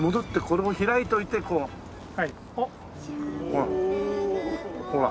ほらほら。